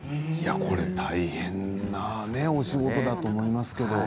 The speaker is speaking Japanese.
大変なお仕事だと思いますよ。